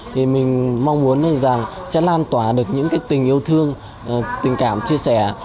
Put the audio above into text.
thì mình mong muốn rằng sẽ lan tỏa được những tình yêu thương tình cảm chia sẻ